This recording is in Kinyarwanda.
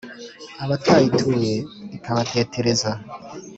abatayituye ikabatetereza.